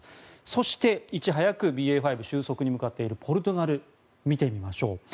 そして、いち早くＢＡ．５収束に向かっているポルトガルを見ていきましょう。